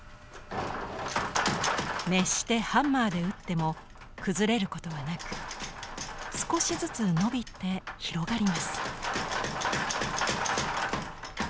熱してハンマーで打っても崩れることはなく少しずつのびて広がります。